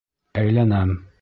Әйләнәм.